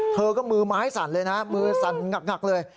ครับเค้าก็มือไม้สั่นเลยนะมือสั่นหงักเลย